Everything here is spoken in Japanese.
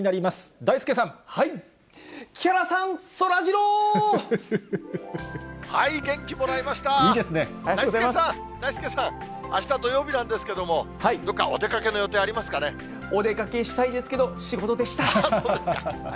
だいすけさん、だいすけさん、あした土曜日なんですけれども、どっかお出かけの予定ありますかお出かけしたいですけど、そうですか。